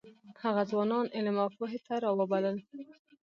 هغه ځوانان علم او پوهې ته راوبلل.